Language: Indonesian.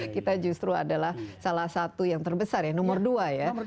kita justru adalah salah satu yang terbesar ya nomor dua ya